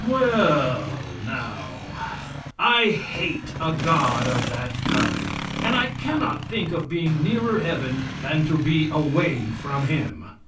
'" Well, now, I hate a God of that kind, and I cannot think of being nearer heaven than to be away from Him.